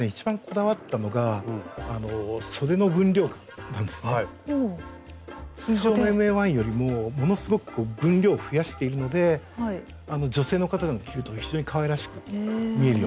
やはりですね通常のＭＡ−１よりもものすごく分量を増やしているので女性の方が着ると非常にかわいらしく見えるような形になってます。